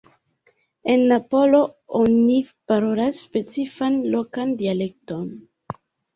En Napolo oni parolas specifan lokan dialekton.